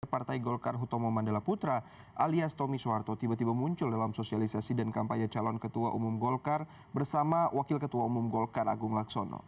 partai golkar hutomo mandela putra alias tommy soeharto tiba tiba muncul dalam sosialisasi dan kampanye calon ketua umum golkar bersama wakil ketua umum golkar agung laksono